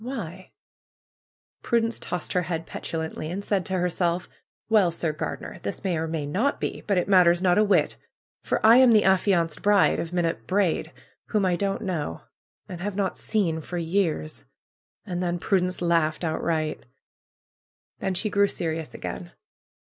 Why ?" Prudence tossed her head petulantly and said to her self : ^^Well, Sir Gardener ! This may or may not be ; but it matters not a whit for I am the affianced bride of Minot Braid, whom I don't know, and have not seen for years !" And then Prudence laughed outright. Then she grew serious again.